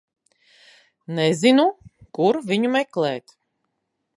Nezinu, kur viņu meklēt.